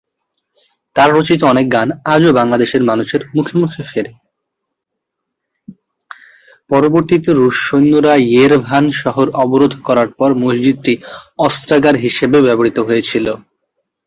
পরবর্তীতে রুশ সৈন্যরা ইয়েরেভান শহর অবরোধ করার পর মসজিদটি অস্ত্রাগার হিসেবে ব্যবহৃত হয়েছিল।